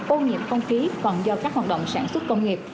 ô nhiễm không khí còn do các hoạt động sản xuất công nghiệp